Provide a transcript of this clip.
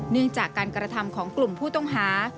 เนื่องจากการกระทำของกลุ่มผู้ต้องหา